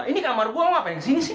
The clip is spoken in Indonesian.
ini kamar gue mau ngapain kesini sih